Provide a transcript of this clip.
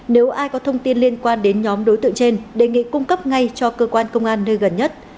nếu ai có thông tin liên quan đến nhóm đối tượng trên đề nghị cung cấp ngay cho cơ quan công an nơi gần nhất